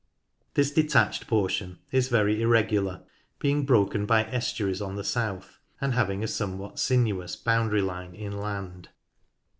This detached portion is very irre gular, being broken by estuaries on the south, and having a somewhat sinuous boundary line inland.